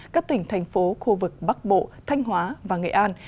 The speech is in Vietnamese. các tỉnh thành phố khu vực bắc bộ thanh hóa và nghệ an